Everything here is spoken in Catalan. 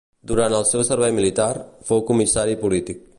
Durant el seu servei militar, fou comissari polític.